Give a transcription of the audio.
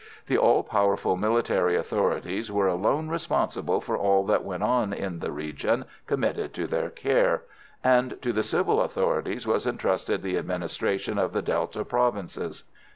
The all powerful military authorities were alone responsible for all that went on in the region committed to their care, and to the civil authorities was entrusted the administration of the Delta provinces.